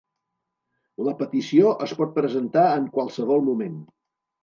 La petició es pot presentar en qualsevol moment.